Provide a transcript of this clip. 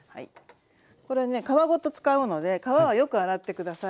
これね皮ごと使うので皮はよく洗って下さい。